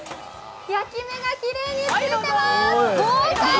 焼き目がきれいについています、豪快。